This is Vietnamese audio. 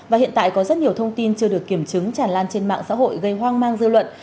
và hiện tại có rất nhiều thông tin chưa được kiểm chứng tràn lan trên mạng xã hội gây hoang mang dư luận